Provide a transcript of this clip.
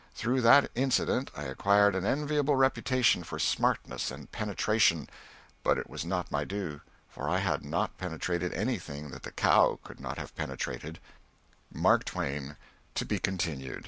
Through that incident I acquired an enviable reputation for smartness and penetration, but it was not my due, for I had not penetrated anything that the cow could not have penetrated. MARK TWAIN. (_To be Continued.